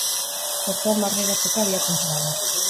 Portuan barneratzeko abiapuntu bat da.